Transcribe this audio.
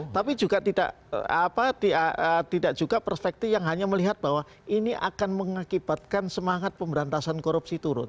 tapi juga tidak juga perspektif yang hanya melihat bahwa ini akan mengakibatkan semangat pemberantasan korupsi turun